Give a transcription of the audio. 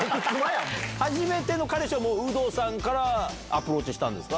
初めての彼氏はもう、有働さんからアプローチしたんですか？